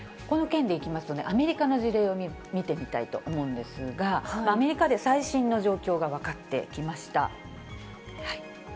この件で行きますとね、アメリカの事例を見てみたいと思うんですが、アメリカで最新の状況が分かってきました。